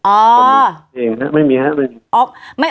เองฮะไม่มีฮะไม่มี